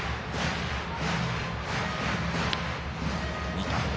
見た。